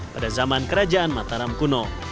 pada zaman kerajaan mataram kuno